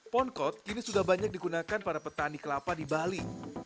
poncode kini sudah banyak digunakan para petani kelapa di bali